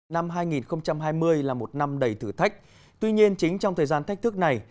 năm hai nghìn hai mươi là một năm đầy thử thách tuy nhiên chính trong thời gian thách thức này